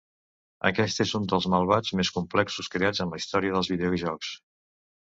Aquest és un dels malvats més complexos creats en la història dels videojocs.